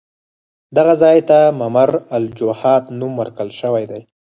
دغه ځای ته ممر الوجحات نوم ورکړل شوی دی.